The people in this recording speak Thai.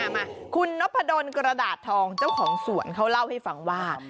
มาคุณนพดลกระดาษทองเจ้าของสวนเขาเล่าให้ฟังว่า